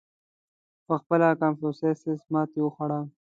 • پهخپله کنفوسیوس ماتې وخوړه.